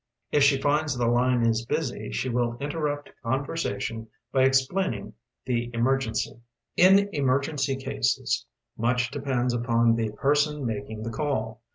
If she Hods the line is busy, she will Interrupt conversation by explaining tbe emergency. “In emergency casea, much depends upon tbe person making tbe call.